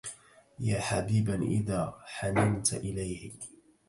يا حبيبا إذا حننت إليه